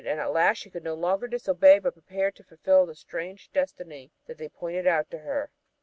And at last she could no longer disobey, but prepared to fulfil the strange destiny that they pointed out to her.